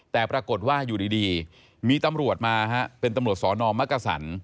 แต่ปรากฏว่าอยู่ดีมีตำรวจมาฮะเป็นตำรวจสอนอมักกษัน